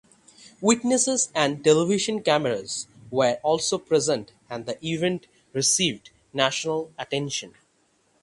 Witnesses and television cameras were also present and the event received national attention.